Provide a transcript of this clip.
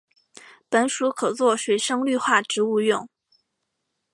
本属可做水生绿化植物用。